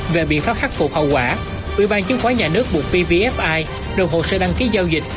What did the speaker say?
về biện pháp khắc phục hậu quả ủy ban chứng khoán nhà nước buộc pvfi nộp hồ sơ đăng ký giao dịch